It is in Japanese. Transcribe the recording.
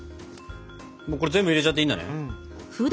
これ全部入れちゃっていいんだね？